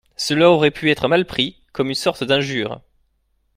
Cela aurait pu être mal pris, comme une sorte d’injure